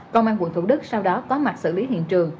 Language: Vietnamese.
công an quận thủ đức sau đó có mặt xử lý hiện trường